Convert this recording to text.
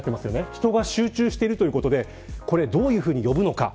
人が集中しているということでこれをどういうふうに呼ぶのか。